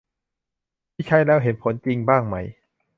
ที่ใช้แล้วเห็นผลจริงบ้างไหม